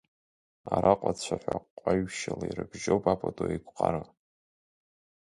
Араҟа цәаҳәа ҟаҩшьыла ирыбжьоуп апату еиқәҟара.